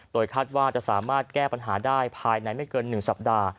โดยคาดว่าจะสามารถแก้ปัญหาได้ภายในไม่เกิน๑สัปดาห์